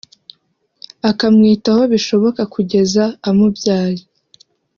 akamwitaho bishoboka kugeza amubyaye